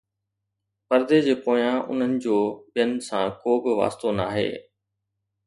پردي جي پويان، انهن جو ٻين سان ڪو به واسطو ناهي